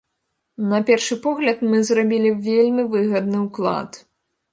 На першы погляд, мы зрабілі вельмі выгадны ўклад.